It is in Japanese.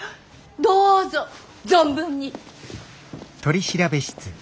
どうぞ存分に！